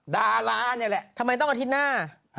ดารานี่แหละทำไมต้องอาทิตย์หน้า